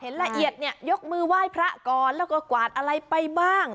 ละเอียดเนี่ยยกมือไหว้พระก่อนแล้วก็กวาดอะไรไปบ้าง